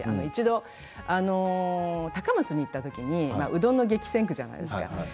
一度高松に行った時にうどんの激戦区じゃないですか。